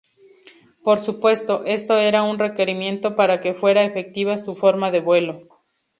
Por supuesto, esto era un requerimiento para que fuera efectiva su forma de "vuelo".